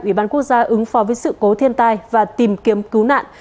ủy ban quốc gia ứng phó với sự cố thiên tai và tìm kiếm cứu nạn